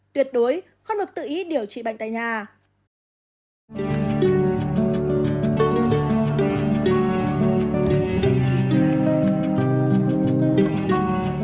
tuyệt đối không được tự ý điều trị bệnh tại nhà